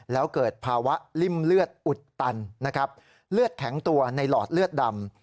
แล้วเกิดภาวะริ่มเลือดอุดตันนะครับเลือดแข็งตัวในหลอดเลือดดำ